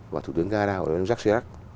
và thủ tướng ga đao là ông jacques chirac